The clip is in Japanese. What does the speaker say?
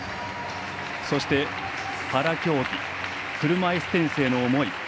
そして、パラ競技車いすテニスへの思い